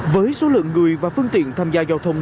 với số lượng người và phương tiện tham gia giao thông